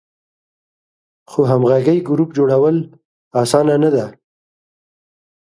خو همغږی ګروپ جوړول آسانه نه ده.